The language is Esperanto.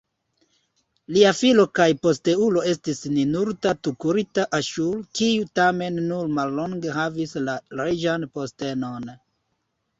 Lia filo kaj posteulo estis Ninurta-tukulti-Aŝur, kiu tamen nur mallonge havis la reĝan postenon.